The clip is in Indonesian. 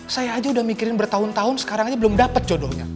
saya aja udah mikirin bertahun tahun sekarang aja belum dapat jodohnya